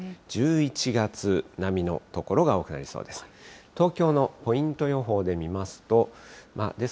１１月並みの所が多くなりそうです。